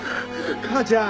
母ちゃん！